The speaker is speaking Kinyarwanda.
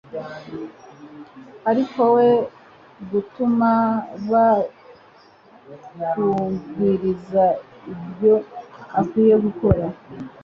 ariko we gutuma bakubwiriza ibyo ukwiye gukora